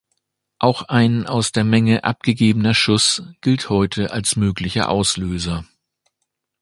Auch ein aus der Menge abgegebener Schuss gilt heute als möglicher Auslöser.